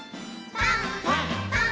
「パンパン」